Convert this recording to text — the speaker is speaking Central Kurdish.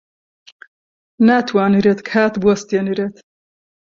ناتوانرێت کات بوەستێنرێت.